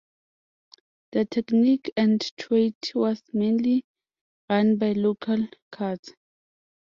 The technique and trade was mainly run by local Kurds.